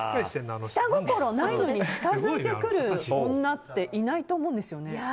下心ないのに近づいてくる女っていないと思うんですよね。